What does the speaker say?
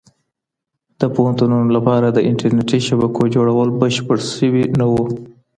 د پوهنتونونو لپاره د انټرنیټي شبکو جوړول بشپړ سوي نه وو.